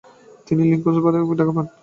তিনি লিঙ্কন’স ইনে বারে ডাক পান।